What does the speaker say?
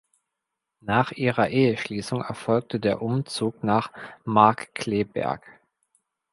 Nach ihrer Eheschließung erfolgte der Umzug nach Markkleeberg.